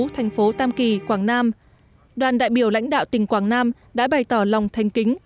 thành phố tam kỳ quảng nam đoàn đại biểu lãnh đạo tỉnh quảng nam đã bày tỏ lòng thanh kính